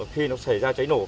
khi nó xảy ra cháy nổ